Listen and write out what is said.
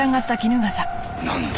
なんだ？